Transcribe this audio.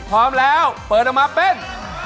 พร้อมแล้วเปิดออกมาเป็น